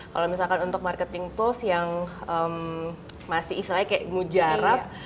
kalau misalkan untuk marketing tools yang masih istilahnya kayak ngujarap